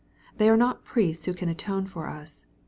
They are not priests who can atone for us.